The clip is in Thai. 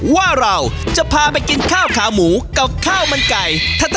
ว่าเราจะพาไปกินข้าวขาหมูกับข้าวมันไก่